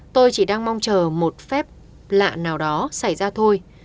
tôi chỉ đang mong chờ một phép lạ nào đó xảy ra thôi